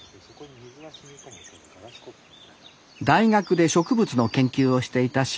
大学で植物の研究をしていた白井さん。